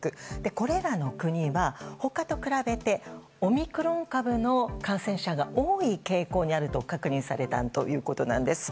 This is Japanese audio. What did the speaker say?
これらの国は他と比べてオミクロン株の感染者が多い傾向にあると確認されたということなんです。